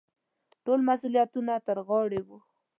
ټول مسوولیتونه را ترغاړې وو.